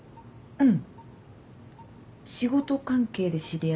うん。